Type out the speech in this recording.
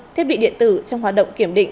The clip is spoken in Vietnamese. thiết bị điện tử trong hoạt động kiểm định